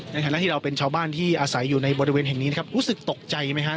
ในฐานะที่เราเป็นชาวบ้านที่อาศัยอยู่ในบริเวณแห่งนี้นะครับรู้สึกตกใจไหมครับ